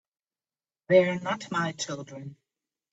They're not my children.